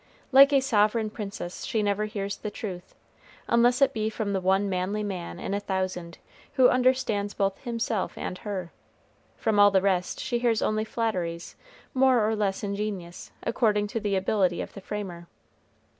Like a sovereign princess, she never hears the truth, unless it be from the one manly man in a thousand, who understands both himself and her. From all the rest she hears only flatteries more or less ingenious, according to the ability of the framer.